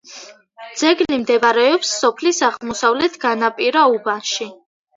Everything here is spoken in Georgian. ძეგლი მდებარეობს სოფლის აღმოსავლეთ განაპირა უბანში.